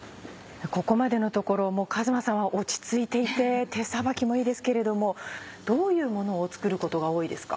ここまでのところ和馬さんは落ち着いていて手さばきもいいですけれどもどういうものを作ることが多いですか？